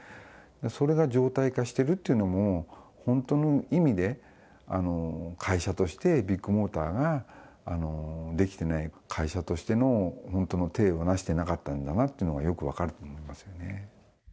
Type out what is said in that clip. それが常態化してるっていうのも、本当の意味で会社として、ビッグモーターができてない、会社としての本当の体をなしていなかったのだというのがよく分かると思うんですよね。